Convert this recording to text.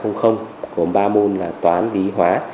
gồm ba môn là toán lý hóa